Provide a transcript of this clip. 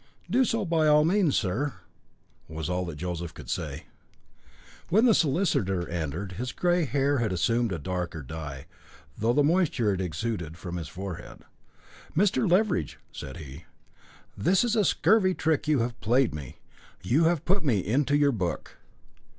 "Do so by all means, sir," was all that Joseph could say. When the solicitor entered his red hair had assumed a darker dye, through the moisture that exuded from his head. "Mr. Leveridge," said he, "this is a scurvy trick you have played me. You have put me into your book."